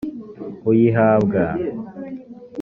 uyihabw